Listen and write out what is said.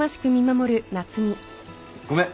ごめん。